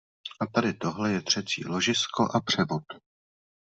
A tady tohle je třecí ložisko a převod.